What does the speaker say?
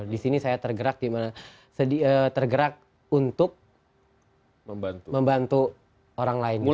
di sini saya tergerak untuk membantu orang lain